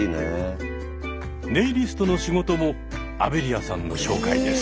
ネイリストの仕事もアベリアさんの紹介です。